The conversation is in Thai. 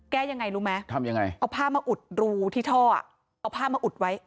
แก้ยังไงรู้ไหมทำยังไงเอาผ้ามาอุดรูที่ท่อเอาผ้ามาอุดไว้